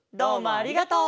ありがとう。